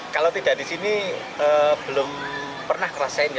kalau tidak di sini belum pernah ngerasain